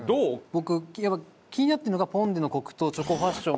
僕気になってるのがポン・デの黒糖チョコファッション